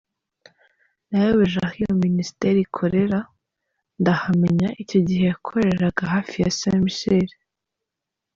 Nayoboje aho iyo ministere ikorera, ndahamenya icyo gihe yakoreraga hafi ya Saint Michel.